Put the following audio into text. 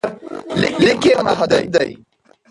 لیک یې محدود دی.